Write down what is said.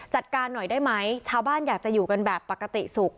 จัดการหน่อยได้ไหมชาวบ้านอยากจะอยู่กันแบบปกติสุข